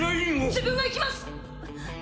自分が行きます！